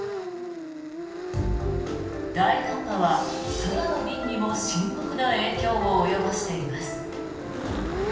大寒波は空の便にも深刻な影響を及ぼしています。